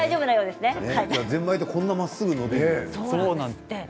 でもぜんまいってこんなにまっすぐ伸びるんですね。